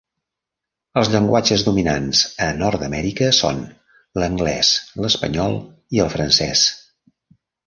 Els llenguatges dominants a Nord-Amèrica són l'anglès, l'espanyol i el francès.